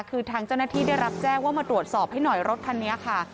คือทางเจ้าหน้าที่ได้รับแจ้งว่ามาตรวจสอบให้หน่อยรถคันนี้ค่ะ